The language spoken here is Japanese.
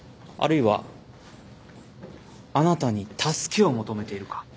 あるいはあなたに助けを求めているか。